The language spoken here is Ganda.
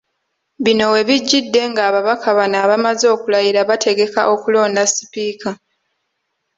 Bino webijjidde nga ababaka bano abamaze okulayira bategeka okulonda Sipiika